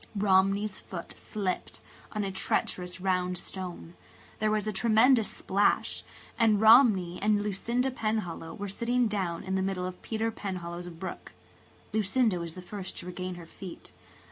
Romney's foot slipped on a treacherous round stone–there was a tremendous splash–and Romney and Lucinda Penhallow were sitting down in the middle of Peter Penhallow's brook. Lucinda was the first to regain her feet.